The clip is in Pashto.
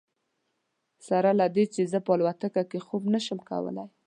سره له دې چې زه په الوتکه کې خوب نه شم کولی.